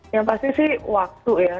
yang pasti sih waktu ya